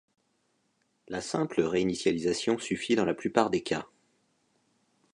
La simple réinitialisation suffit dans la plupart des cas.